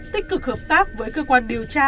tích cực hợp tác với cơ quan điều tra